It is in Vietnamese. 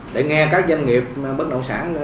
để nghe các doanh nghiệp bất động sản